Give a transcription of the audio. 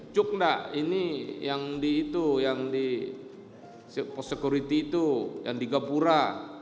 cuk enggak ini yang di itu yang di security itu yang di gapura